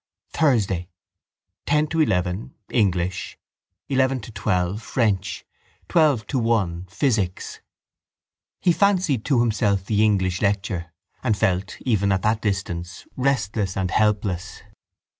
Thursday. Ten to eleven, English; eleven to twelve, French; twelve to one, physics. He fancied to himself the English lecture and felt, even at that distance, restless and helpless.